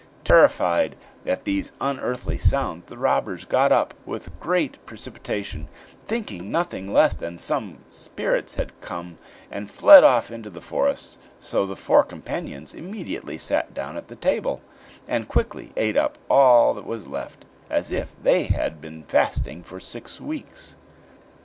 Terrified at these unearthly sounds, the robbers got up with great precipitation, thinking nothing less than that some spirits had come, and fled off into the forest, so the four companions immediately sat down at the table, and quickly ate up all that was left, as if they had been fasting for six weeks.